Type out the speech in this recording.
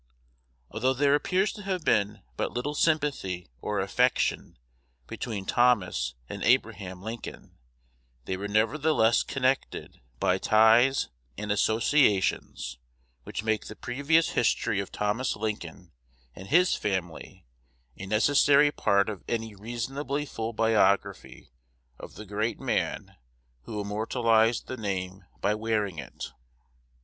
Although there appears to have been but little sympathy or affection between Thomas and Abraham Lincoln, they were nevertheless connected by ties and associations which make the previous history of Thomas Lincoln and his family a necessary part of any reasonably full biography of the great man who immortalized the name by wearing it.